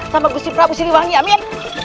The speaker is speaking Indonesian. sama kusti perabu siri wangi amin